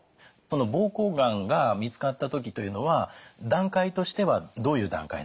膀胱がんが見つかった時というのは段階としてはどういう段階？